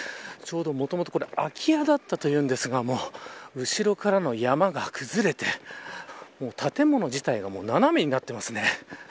もともと空き家だったというんですが後ろからの山が崩れて建物自体が斜めになっていますね。